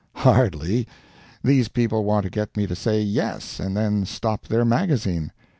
Hardly. These people want to get me to say Yes, and then stop their magazine.